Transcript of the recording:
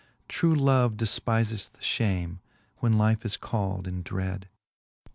True love defpifeth fhame, when life is cald in dread.